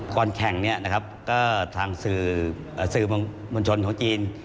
ก่อนแข่งเนี่ยนะครับก็ทางสื่อมวลชนของจีน